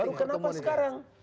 baru kenapa sekarang